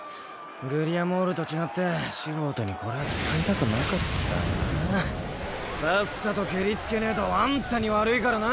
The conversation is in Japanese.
グリアモールと違って素人にこれは使いたくなかったがさっさとケリつけねぇとあんたに悪いからな。